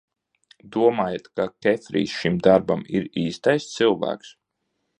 Domājat, ka Kefrijs šim darbam ir īstais cilvēks?